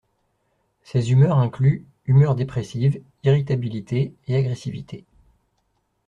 Ces humeurs incluent humeur dépressive, irritabilité et agressivité.